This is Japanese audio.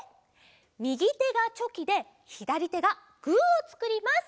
みぎてがチョキでひだりてがグーをつくります。